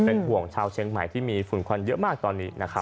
เป็นห่วงชาวเชียงใหม่ที่มีฝุ่นควันเยอะมากตอนนี้นะครับ